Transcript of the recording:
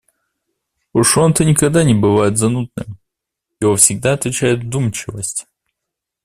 Уж он-то никогда не бывает занудным — его всегда отличает вдумчивость.